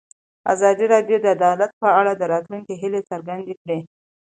ازادي راډیو د عدالت په اړه د راتلونکي هیلې څرګندې کړې.